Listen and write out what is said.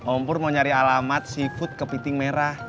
om pur mau nyari alamat seafood kepiting merah